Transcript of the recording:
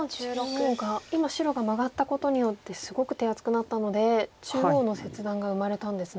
中央が今白がマガったことによってすごく手厚くなったので中央の切断が生まれたんですね。